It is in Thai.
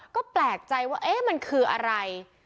ก็แปลกใจว่ามันคืออะไร